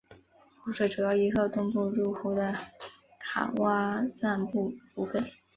湖水主要依靠东部入湖的卡挖臧布补给。